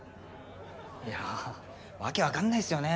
いやあ訳わかんないっすよね